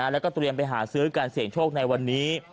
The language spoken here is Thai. แล้วก็เตรียมไปหาซื้อการเสี่ยงโชคในวันนี้